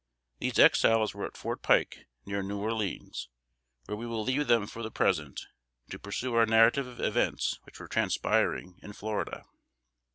These Exiles were at Fort Pike, near New Orleans, where we will leave them for the present, to pursue our narrative of events which were transpiring in Florida.